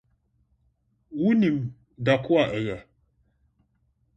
Wunim da ko a ɛyɛ?